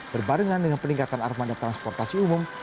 berbarengan dengan peningkatan armada transportasi umum